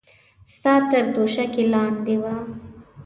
ستا تر توشکې لاندې وه.